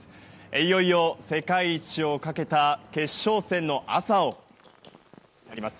いよいよ世界一をかけた決勝戦の朝を迎えます。